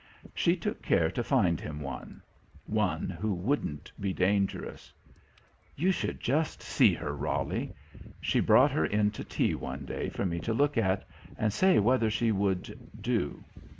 She took care to find him one. One who wouldn't be dangerous. "You should just see her, Roly." She brought her in to tea one day for me to look at and say whether she would "do."